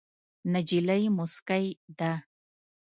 نجلۍ موسکۍ ده.